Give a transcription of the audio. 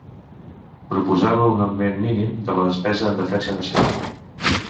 Proposava un augment mínim de la despesa en defensa nacional.